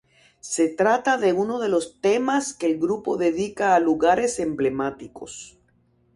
Se trata de uno de los temas que el grupo dedica a lugares emblemáticos.